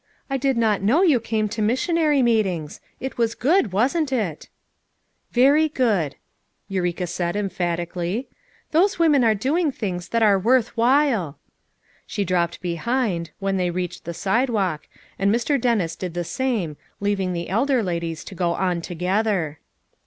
"I did not know you came to missionary meetings. It was good, wasn't it" "Very good," Eureka said emphatically. "Those women are doing things that are worth while." She dropped behind, when they FOUR MOTHEES AT CHAUTAUQUA 327 reached the sidewalk, and Mr. Dennis did the same, leaving the elder ladies to go on together.